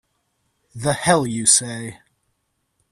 The hell you say!